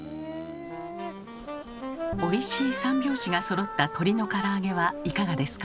おいしい三拍子がそろった鶏のから揚げはいかがですか？